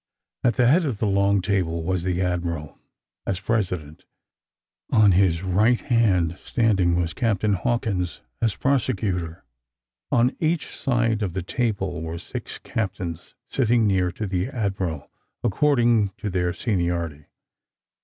At the head of the long table was the admiral, as president; on his right hand, standing, was Captain Hawkins, as prosecutor. On each side of the table were six captains, sitting near to the admiral, according to their seniority.